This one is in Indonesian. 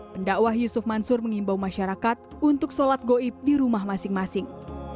pendakwah yusuf mansur mengimbau masyarakat untuk sholat goib di rumah masing masing